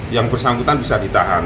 yang bersangkutan bisa ditahan